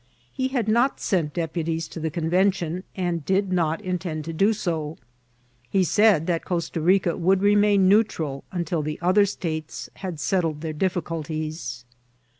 He had not sent deputies to the Convention, and did not intend to do so ; but said that Costa Rica would remain neutral until the other states had settled their difficulties.